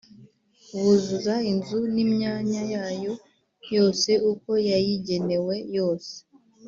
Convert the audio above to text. buzuza inzu n’imyanya yayo yose uko yayigenewe yose